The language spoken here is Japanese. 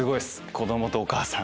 子供とお母さん。